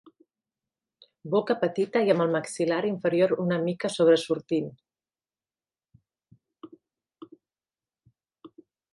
Boca petita i amb el maxil·lar inferior una mica sobresortint.